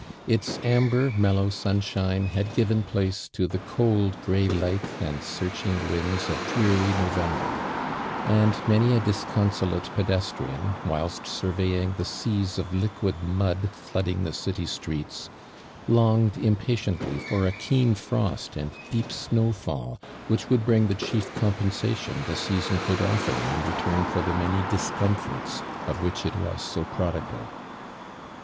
Its amber, mellow HunHhino had given place to the cold gray light and Heurehing winds of dreary November ; and many a disconsolate pedestrian, whilst sur Teying the seas of liquid mud flooding the city streets, longed im))atiently for a keen Irost and deep snow fall which would biing the chief compensation the seiwon could offer in return for the many tliscomforts of which it was so prodigal.